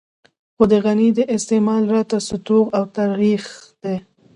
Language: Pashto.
خو د غني د استعمال راته ستوغ او ترېخ دی.